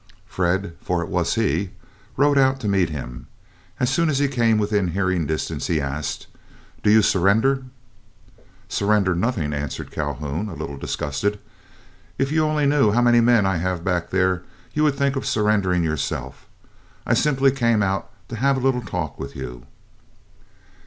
Fred, for it was he, rode out to meet him. As soon as he came within hearing distance, he asked, "Do you surrender?" "Surrender nothing!" answered Calhoun, a little disgusted. "If you only knew how many men I had back there you would think of surrendering yourself. I simply came out to have a little talk with you."